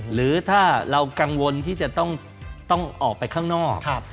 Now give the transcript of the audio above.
หรือถ้าเรากังวลที่จะต้องออกไปข้างนอก